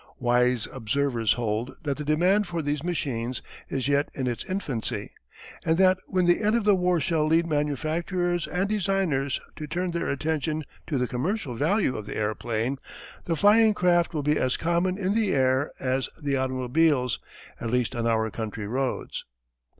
Wise observers hold that the demand for these machines is yet in its infancy, and that when the end of the war shall lead manufacturers and designers to turn their attention to the commercial value of the airplane the flying craft will be as common in the air as the automobiles at least on our country roads.